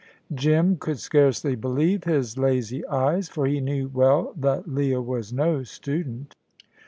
Jim could scarcely believe his lazy eyes, for he knew well that Leah was no student.